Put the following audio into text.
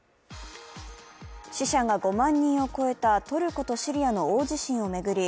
死者が５万人を超えたトルコとシリアの大地震を巡り